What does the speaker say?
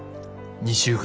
２週間。